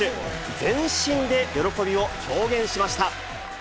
全身で喜びを表現しました。